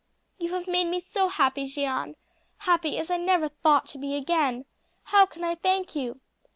"You have made me so happy, Jeanne; happy as I never thought to be again. How can I thank you?"